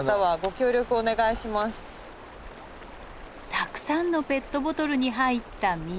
たくさんのペットボトルに入った水。